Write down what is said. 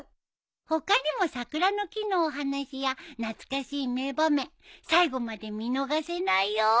他にも桜の木のお話や懐かしい名場面最後まで見逃せないよ！